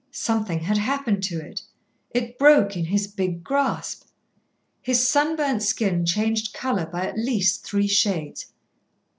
Something had happened to it. It broke in his big grasp. His sunburnt skin changed colour by at least three shades.